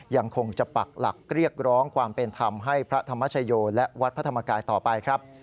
ยังคงจะปักหลักเรียกร้องความเป็นธรรมให้พระธรรมชโยและวัดพระธรรมกายต่อไปครับ